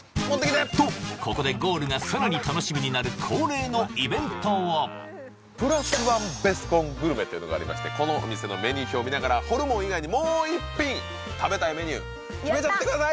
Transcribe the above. とここでゴールがさらに楽しみになる恒例のイベントをプラスワンベスコングルメというのがありましてこのお店のメニュー表を見ながらホルモン以外にもう一品食べたいメニュー決めちゃってください！